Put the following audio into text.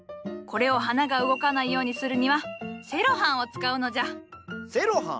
これを花が動かないようにするにはセロハンを使うのじゃ。